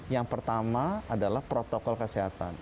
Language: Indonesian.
yang pertama adalah protokol kesehatan